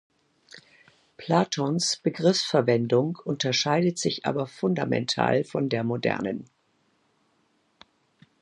Platons Begriffsverwendung unterscheidet sich aber fundamental von der modernen.